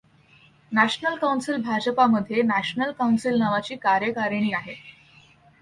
National council भाजपामध्ये national council नावाची कार्यकारिणी आहे.